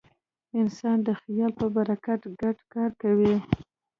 انسان د خیال په برکت ګډ کار کوي.